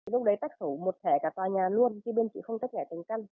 lúc đấy tách sổ một thẻ cả tòa nhà luôn khi bên chị không tách rẻ thành căn